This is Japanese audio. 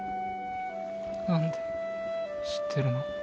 なんで知ってるの？